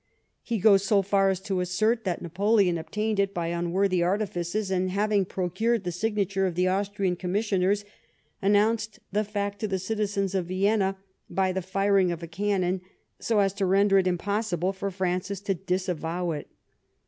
He goes so far as to assert that Napoleon obtained it by unworthy artifices, and, having procured the signature of the Austrian Commissioners, announced the fact to the citizens of Vienna by the firing of a cannon so as to render it impossible for Francis to disavow it.